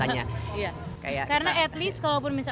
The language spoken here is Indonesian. karena at least kalaupun misalkan audience nya itu juga banyak banget ya